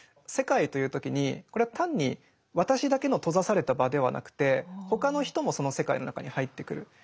「世界」と言う時にこれは単に私だけの閉ざされた場ではなくて他の人もその世界の中に入ってくる。